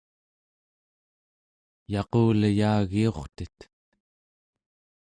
yaquleyagiurtet